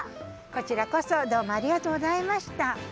こちらこそどうもありがとうございました。